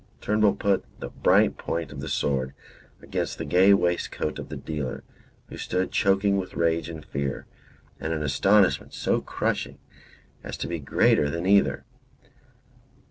Turnbull put the bright point of the sword against the gay waistcoat of the dealer, who stood choking with rage and fear, and an astonishment so crushing as to be greater than either.